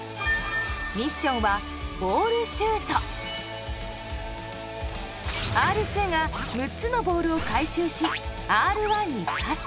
ミッションはＲ２が６つのボールを回収しＲ１にパス。